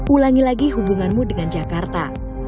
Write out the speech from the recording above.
ulangi lagi hubunganmu dengan jakarta